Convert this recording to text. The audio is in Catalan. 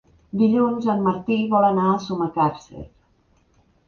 Dilluns en Martí vol anar a Sumacàrcer.